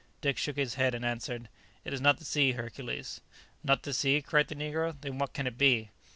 Dick shook his head and answered, "It is not the sea, Hercules." "Not the sea!" cried the negro, "then what can it be?"